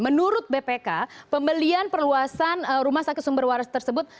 menurut bpk pembelian perluasan rumah sakit sumber waras tersebut